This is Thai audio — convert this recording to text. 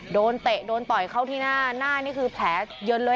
เตะโดนต่อยเข้าที่หน้าหน้านี่คือแผลเยินเลย